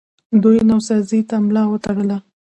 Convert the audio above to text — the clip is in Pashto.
دوی نوسازۍ ته ملا وتړله